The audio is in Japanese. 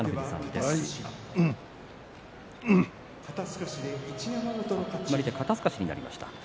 決まり手は肩すかしになりました。